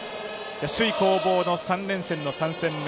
首位攻防の３連戦の３戦目。